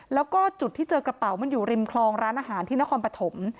แล้วก็จุดที่เจอกระเป๋ามันอยู่ริมคลองร้านอาหารที่นครปฐม